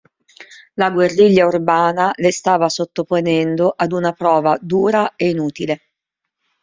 La guerriglia urbana le stava sottoponendo ad una prova dura e inutile.